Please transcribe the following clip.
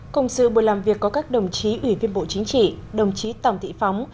công sự buổi làm việc có các đồng chí ủy viên bộ chính trị đồng chí tàm thị phóng